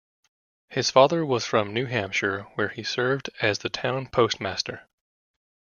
His father was from New Hampshire where he served as the town postmaster.